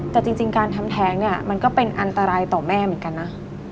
แต่จริงการทำแท้งเนี่ยมันก็เป็นอันตรายต่อแม่เหมือนกันนะ